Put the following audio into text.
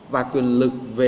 và quyền lực về